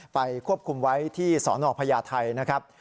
ไปควบคุมไว้ที่สนพญาไทยนะครับ